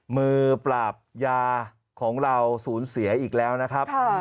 มือปราบยาของเราสูญเสียอีกแล้วนะครับ